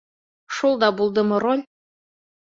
Шул да булдымы роль!